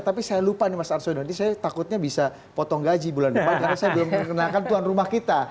tapi saya lupa nih mas arsul nanti saya takutnya bisa potong gaji bulan depan karena saya belum mengenalkan tuan rumah kita